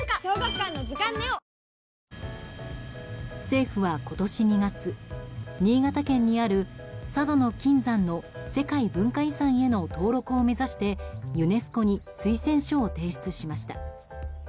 政府は今年２月新潟県にある佐渡島の金山の世界文化遺産への登録を目指してユネスコに推薦書を提出しました。